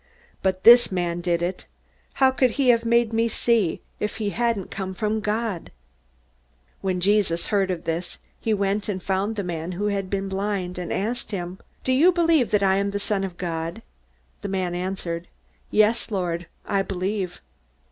But this man did it. How could he have made me see, if he hadn't come from God?" When Jesus heard of this, he went and found the man who had been blind, and asked him, "Do you believe that I am the Son of God?" The man answered, "Yes, Lord, I believe."